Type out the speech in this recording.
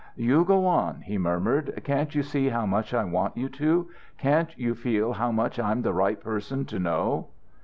"You go on," he murmured. "Can't you see how much I want you to? Can't you feel how much I'm the right person to know?"